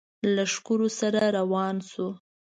لښکرو سره روان شو.